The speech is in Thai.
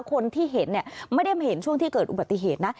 คนที่เห็นเนี่ยไม่ได้มาเห็นช่วงที่เกิดอุบัติเหตุนะ